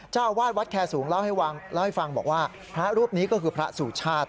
เจ้าอาวาสวัดแคร์สูงเล่าให้ฟังเล่าให้ฟังบอกว่าพระรูปนี้ก็คือพระสุชาติ